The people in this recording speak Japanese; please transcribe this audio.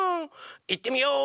いってみよう！